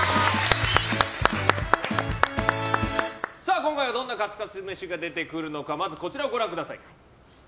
今回はどんなカツカツ飯が出てくるのかまずはこちらをご覧ください。